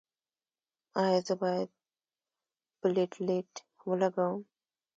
ایا زه باید پلیټلیټ ولګوم؟